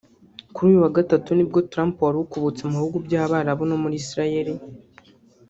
Kuri uyu wa Gatatu nibwo Trump wari ukubutse mu bihugu by’Abarabu no muri Israel